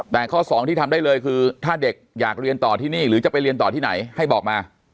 แต่ข้อสองที่ทำได้เลยคือถ้าเด็กอยากเรียนต่อที่นี่หรือจะไปเรียนต่อที่ไหนให้บอกมา